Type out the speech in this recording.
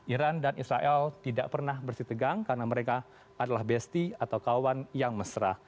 iran dan israel tidak pernah bersih tegang karena mereka adalah besti atau kawan yang mesra